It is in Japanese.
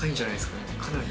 かなり。